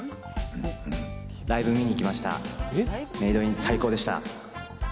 ライブ見に行きました。